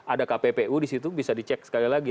ada kppu disitu bisa dicek sekali lagi